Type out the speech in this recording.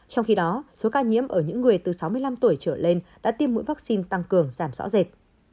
trong khi đó số ca nhiễm ở những người từ sáu mươi năm tuổi trở lên đã tiêm mũi vaccine tăng cường giảm rõ rệt